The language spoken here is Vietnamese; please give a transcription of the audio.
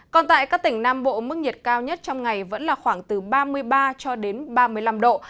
còn tại các tỉnh nam bộ mức nhiệt cao nhất trong ngày vẫn là khoảng từ ba mươi ba cho đến ba mươi năm độ